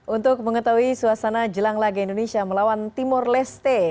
untuk mengetahui suasana jelang laga indonesia melawan timur leste